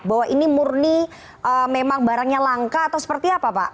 bahwa ini murni memang barangnya langka atau seperti apa pak